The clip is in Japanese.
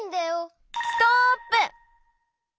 ストップ！